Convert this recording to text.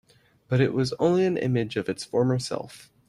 But it was only an image of its former self.